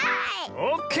オッケー！